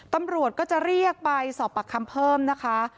ตำรวจก็จะเรียกไปสอบปากคำเพิ่มนะคะ